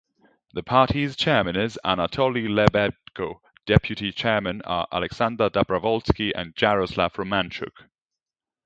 The party's chairman is Anatoly Lebedko; deputy chairman are Alexander Dabravolski and Jaroslav Romanchuk.